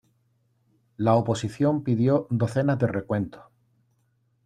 La oposición pidió docenas de recuentos.